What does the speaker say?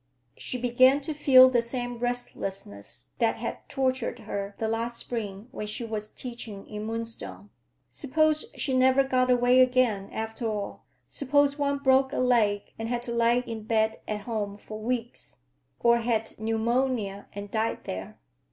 She began to feel the same restlessness that had tortured her the last spring when she was teaching in Moonstone. Suppose she never got away again, after all? Suppose one broke a leg and had to lie in bed at home for weeks, or had pneumonia and died there.